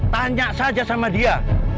tanya saja sama dia